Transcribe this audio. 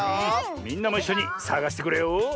みんなもいっしょにさがしてくれよ！